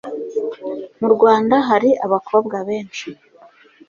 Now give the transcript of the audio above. Mu Rwanda hari abakobwa benshi